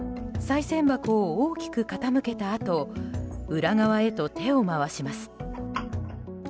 さい銭箱を大きく傾けたあと裏側へと手を回します。